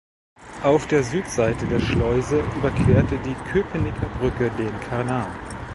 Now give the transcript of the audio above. Auf der Südseite der Schleuse überquerte die "Cöpenicker Brücke" den Kanal.